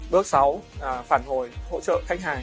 bước sáu phản hồi hỗ trợ khách hàng